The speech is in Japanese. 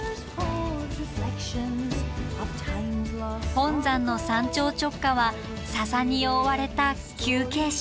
本山の山頂直下は笹に覆われた急傾斜。